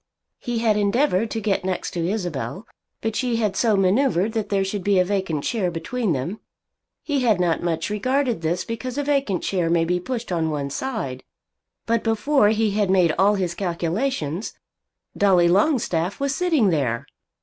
He had endeavoured to get next to Isabel; but she had so manoeuvred that there should be a vacant chair between them. He had not much regarded this because a vacant chair may be pushed on one side. But before he had made all his calculations Dolly Longstaff was sitting there!